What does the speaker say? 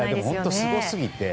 すごすぎて。